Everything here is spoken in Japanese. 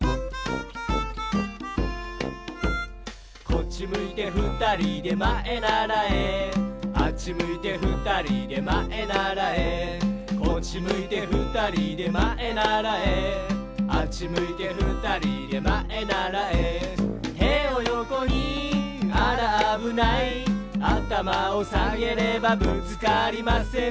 「こっちむいてふたりでまえならえ」「あっちむいてふたりでまえならえ」「こっちむいてふたりでまえならえ」「あっちむいてふたりでまえならえ」「てをよこにあらあぶない」「あたまをさげればぶつかりません」